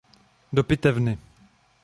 Do pitevny.